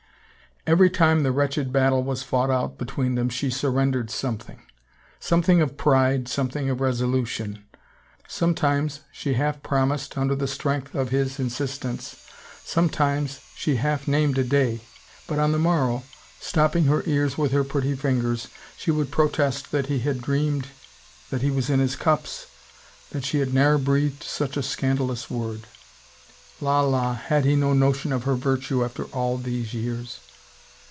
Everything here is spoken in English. Every time the wretched battle was fought out between them she surrendered something — something of pride, something of resolution. Sometimes she half promised, under the strength of his insistence, sometimes she half named a day, but on the morrow — stopping her ears with her pretty fingers — she would protest that he had dreamed, that he was in his cups, that she had ne'er breathed such a scandalous word! La, la, had he no notion of her virtue after all these years?